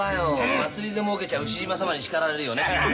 祭りでもうけちゃ牛嶋さまに叱られるよね。